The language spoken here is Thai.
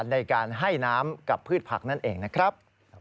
ในการให้น้ำกับพืชผักนั่นเองนะครับ